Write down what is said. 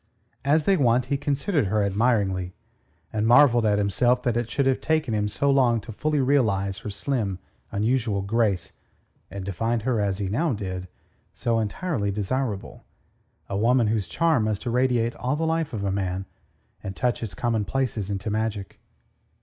As they went, he considered her admiringly, and marvelled at himself that it should have taken him so long fully to realize her slim, unusual grace, and to find her, as he now did, so entirely desirable, a woman whose charm must irradiate all the life of a man, and touch its commonplaces into magic.